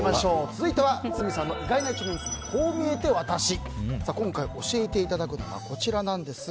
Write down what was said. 続いては堤さんの意外な一面こう見えてワタシ。